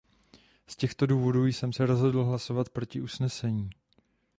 Z těchto důvodů jsem se rozhodl hlasovat proti usnesení.